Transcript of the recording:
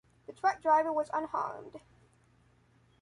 The truck driver was unharmed.